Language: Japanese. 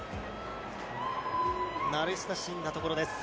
慣れ親しんだところです。